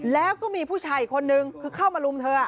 แล้วก็มีผู้ชายอีกคนนึงคือเข้ามาลุมเธอ